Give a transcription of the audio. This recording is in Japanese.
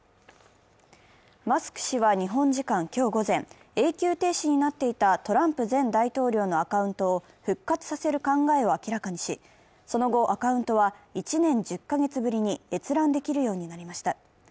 マスク氏は日本時間今日午前、永久停止になっていたトランプ前大統領のアカウントを復活させる考えを明らかにし、その後、アカウントは１年１０か月ぶりに閲覧できるようになりました。